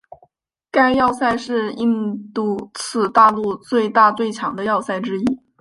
该要塞是印度次大陆最大最强的要塞之一。